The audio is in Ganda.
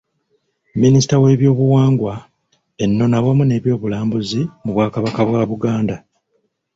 Minisita w’ebyobuwangwa, ennono awamu n’ebyobulambuzi mu Bwakabaka bwa Buganda.